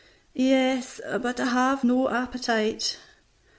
"Yes; but I have no appetite."